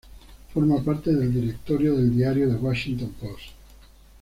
Forma parte del directorio del diario The Washington Post.